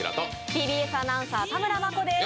「ＴＢＳアナウンサー・田村真子です」